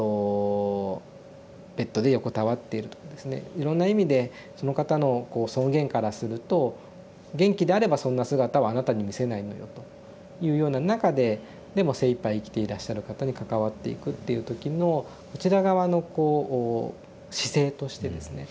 いろんな意味でその方のこう尊厳からすると「元気であればそんな姿はあなたに見せないのよ」というような中ででも精いっぱい生きていらっしゃる方に関わっていくっていう時のこちら側のこう姿勢としてですね